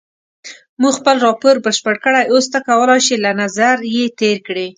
مونږ خپل راپور بشپړ کړی اوس ته کولای شې له نظر یې تېر کړې.